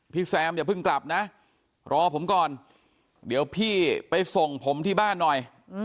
แซมอย่าเพิ่งกลับนะรอผมก่อนเดี๋ยวพี่ไปส่งผมที่บ้านหน่อย